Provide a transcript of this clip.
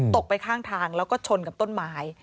ไปข้างทางแล้วก็ชนกับต้นไม้